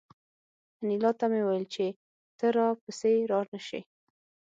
انیلا ته مې وویل چې ته را پسې را نشې